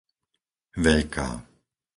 Veľká